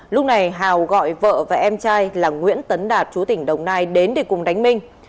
lúc này hào gọi vợ và em trai là nguyễn tấn đạt chú tỉnh đồng nai đến để cùng đánh minh